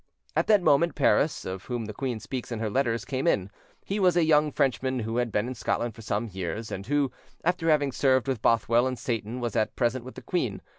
At that moment Paris; of whom the queen speaks in her letters, came in: he was a young Frenchman who had been in Scotland for some years, and who, after having served with Bothwell and Seyton, was at present with the queen.